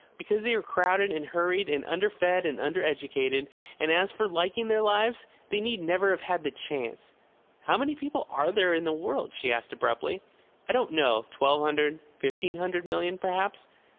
Because they are crowded and hurried and underfed and undereducated. And as for liking their lives, they need never have had the chance." "How many people are there in the world?" she asked abruptly. "I don't know. Twelve hundred, fifteen hundred millions perhaps."